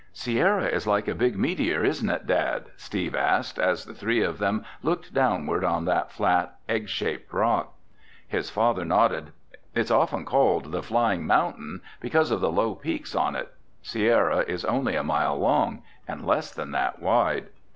"Sierra is like a big meteor, isn't it, Dad?" Steve asked, as the three of them looked downward on the flat, egg shaped rock. His father nodded. "It's often called, 'The Flying Mountain,' because of the low peaks on it. Sierra is only a mile long and less than that wide."